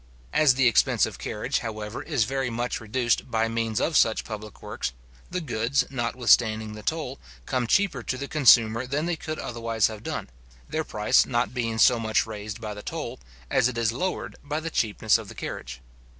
As the expense of carriage, however, is very much reduced by means of such public works, the goods, notwithstanding the toll, come cheaper to the consumer than they could otherwise have done, their price not being so much raised by the toll, as it is lowered by the cheapness of the carriage.